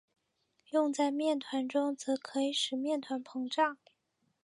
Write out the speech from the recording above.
用在面团中则可以使面团膨胀。